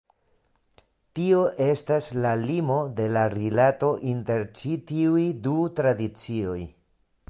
Tio estas la limo de la rilato inter ĉi tiuj du tradicioj.